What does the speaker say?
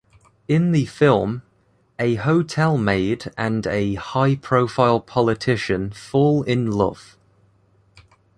In the film, a hotel maid and a high profile politician fall in love.